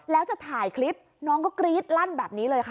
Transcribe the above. แล้วจะถ่ายคลิปน้องก็กรี๊ดลั่นแบบนี้เลยค่ะ